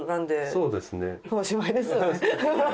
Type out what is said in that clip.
そうですね。